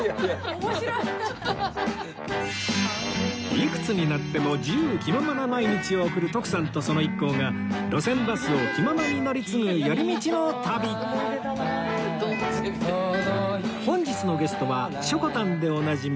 いくつになっても自由気ままな毎日を送る徳さんとその一行が路線バスを気ままに乗り継ぐ寄り道の旅本日のゲストは「しょこたん」でおなじみ